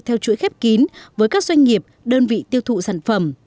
theo chuỗi khép kín với các doanh nghiệp đơn vị tiêu thụ sản phẩm